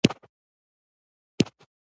غرغښت ، غيرت ، غرنى ، غرزی ، غمی ، غښتلی